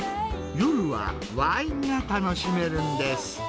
夜はワインが楽しめるんです。